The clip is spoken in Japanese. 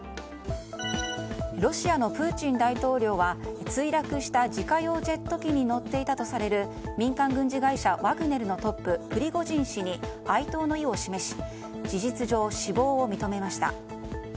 ロシアのプーチン大統領は墜落した自家用ジェット機に乗っていたとされる民間軍事会社ワグネルのトッププリゴジン氏に哀悼の意を示し事実上、死亡を認めました。